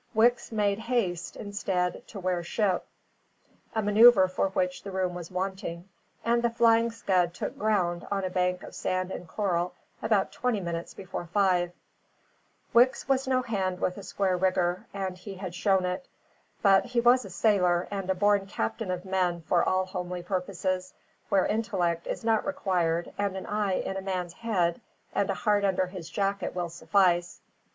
Wicks made haste instead to wear ship, a manoeuvre for which room was wanting, and the Flying Scud took ground on a bank of sand and coral about twenty minutes before five. Wicks was no hand with a square rigger, and he had shown it. But he was a sailor and a born captain of men for all homely purposes, where intellect is not required and an eye in a man's head and a heart under his jacket will suffice.